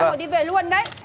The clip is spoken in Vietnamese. xong rồi đi về luôn đấy